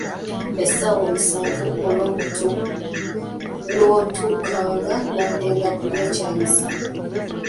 Essaawa omusanvu olwatuukanga, ng'agenda kulya kyamisana.